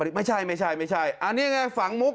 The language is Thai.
อาวาสมีการฝังมุกอาวาสมีการฝังมุกอาวาสมีการฝังมุก